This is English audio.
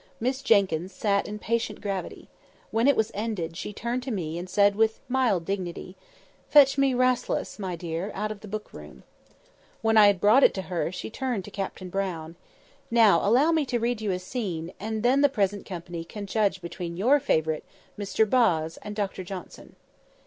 Miss Jenkyns sat in patient gravity. When it was ended, she turned to me, and said with mild dignity— "Fetch me 'Rasselas,' my dear, out of the book room." When I had brought it to her, she turned to Captain Brown— "Now allow me to read you a scene, and then the present company can judge between your favourite, Mr Boz, and Dr Johnson."